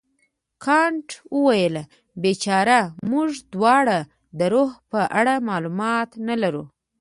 کانت وویل بیچاره موږ دواړه د روح په اړه معلومات نه لرو.